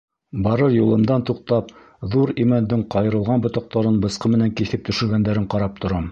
Барыр юлымдан туҡтап, ҙур имәндең ҡайырылған ботаҡтарын бысҡы менән киҫеп төшөргәндәрен ҡарап торам.